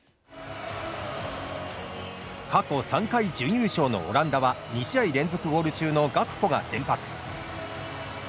過去３回準優勝のオランダは２試合連続ゴール中のガクポが先発。